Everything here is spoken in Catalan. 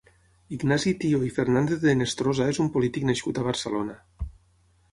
Ignasi Thió i Fernández de Henestrosa és un polític nascut a Barcelona.